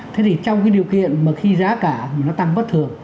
thế thì trong điều kiện mà khi giá cả tăng bất thường